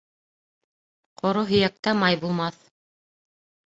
Ҡоро һөйәктә май булмаҫ.